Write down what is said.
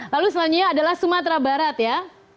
lalu selanjutnya adalah sumatera barat ya